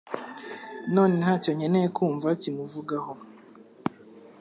none ntacyo nkeneye kumva kimuvugaho